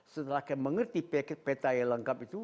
setelah mengerti peta yang lengkap itu